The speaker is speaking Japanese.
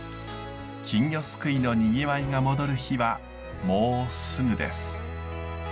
金魚すくいのにぎわいが戻る日はもうすぐです。